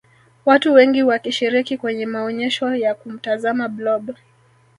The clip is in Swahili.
watu wengi wakishiriki kwenye maonyesho ya kumtazama blob